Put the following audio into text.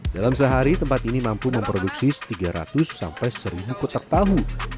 dalam sehari tempat ini mampu memproduksi tiga ratus sampai seribu kotak tahu